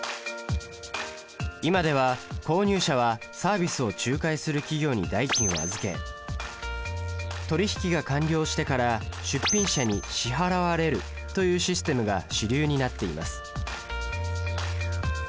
今では購入者はサービスを仲介する企業に代金を預け取り引きが完了してから出品者に支払われるというシステムが主流になっています。